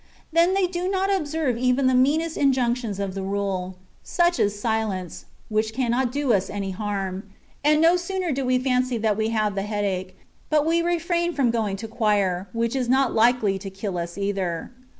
Then they do not observe even the meanest injunctions of the rule, such as silence, which cannot do us any harm ; and no sooner do we fancy that we have the headache, but we refrain from going to choir, which is not likely to kill us either.